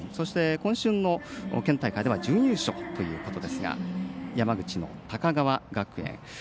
今春の県大会では準優勝ということですが山口の高川学園。